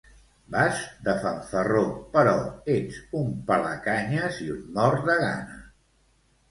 Vas de fanfarró però ets un pelacanyes i un mort de gana